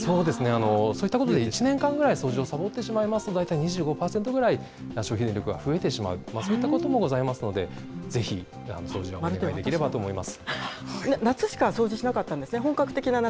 そうですね、そういったことで、１年間ぐらい掃除をさぼってしまいますと、大体２５％ぐらい消費電力が増えてしまう、そういったこともございますので、ぜひ掃除のほう、お願いできればと思います。